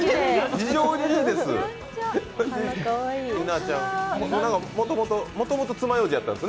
非常にいいです。